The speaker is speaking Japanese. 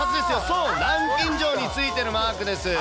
そう、南京錠についてるマークです。